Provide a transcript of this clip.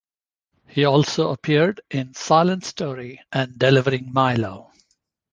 He also appeared in "Silent Story" and "Delivering Milo".